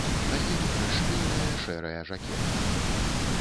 На ім расшпіленая шэрая жакетка.